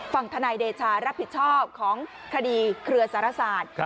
ฝั่งทนายเดชารับผิดชอบของคดีเครือสารศาสตร์